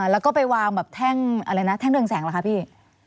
แล้วก็ไปวางแบบแท่งอะไรนะแท่งเรืองแสงเหรอคะพี่